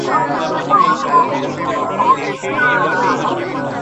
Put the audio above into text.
এটা দুর্ঘটনার মতো মনে হবে।